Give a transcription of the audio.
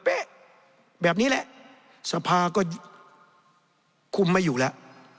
เป๊ะแบบนี้แหละสภาก็คุมไม่อยู่แล้ว